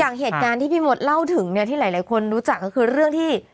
อย่างเหตุการณ์ที่พี่มดเล่าถึงเนี่ยที่หลายคนรู้จักก็คือเรื่องที่